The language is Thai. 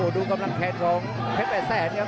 ดูกำลังแขนทรงเยี่ยม